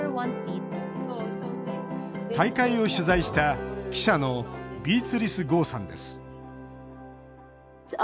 大会を取材した記者のビーツリス・ゴーさんです